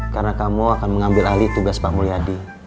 karena kamu akan mengambil ahli tugas pak mul yadi